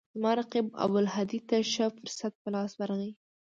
زما رقیب ابوالهدی ته ښه فرصت په لاس ورغی.